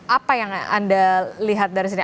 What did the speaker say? apa yang anda lihat dari sini